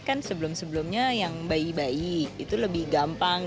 kan sebelum sebelumnya yang bayi bayi itu lebih gampang